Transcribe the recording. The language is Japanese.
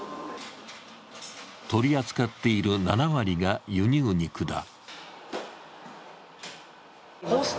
取り扱っている７割が輸入肉だ。